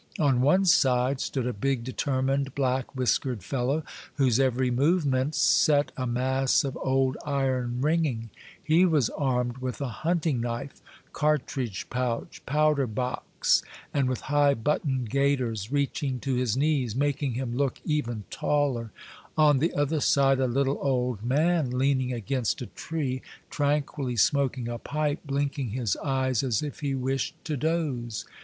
On one side stood a big, detei^mined, black whiskered fellow, whose every movement set a mass of old iron ring ing; he was armed with a hunting knife, cartridge pouch, powder box, and with high buttoned gaiters reaching to his knees, making him look even taller ; on the other side a little old man leaning against a tree, tranquilly smoking a pipe, blinking his eyes as if he wished to doze.